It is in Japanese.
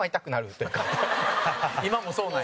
陣内：今もそうなんや。